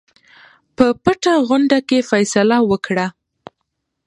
په پټه غونډه کې فیصله وکړه.